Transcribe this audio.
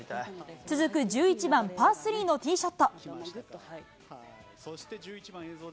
続く１１番パー３のティーショット。